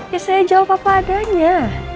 ya saya jawab apa adanya